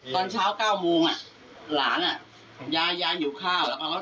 ตอนเช้า๙โมงหลานยายอย่าหิวข้าวตามตรงนั้น